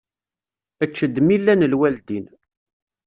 Ečč-d mi llan lwaldin.